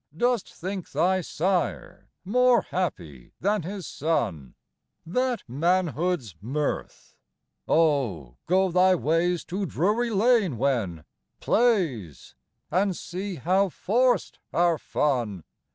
Dost think thy sire More happy than his son? That manhood's mirth? Oh, go thy ways To Drury lane when plays, And see how forced our fun!